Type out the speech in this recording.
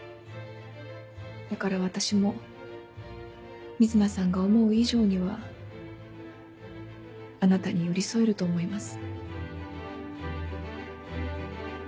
だから私も瑞奈さんが思う以上にはあなたに寄り添えると思います。